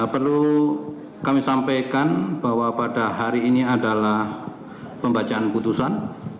perlu kami sampaikan bahwa pada hari ini adalah pembacaan putusan